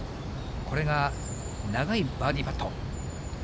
これが長いバーディーパット。